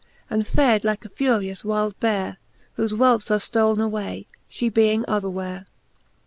And fared like a furious wyld beare, Whofe whelpes are ftolne away, fhe being otherwhere.